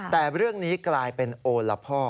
แต่เรื่องนี้กลายเป็นโอละพ่อ